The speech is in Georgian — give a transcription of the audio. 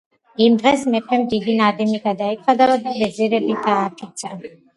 იმ დღეს მეფემ დიდი ნადიმი გადაიხადა და ვეზირები დააფიცა.